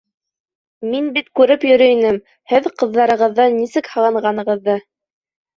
Мин бит күреп йөрөй инем, һеҙ ҡыҙҙарығыҙҙы нисек һағынғанығыҙҙы.